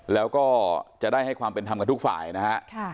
แล้วก็จะได้ให้ความเป็นธรรมกับทุกฝ่ายนะฮะ